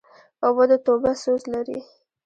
اوبه د توبه سوز لري.